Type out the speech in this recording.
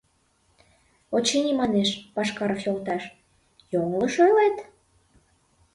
Очыни, манеш, Пашкаров йолташ, йоҥылыш ойлет?